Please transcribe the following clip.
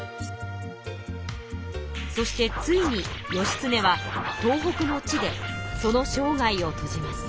そしてついに義経は東北の地でそのしょうがいをとじます。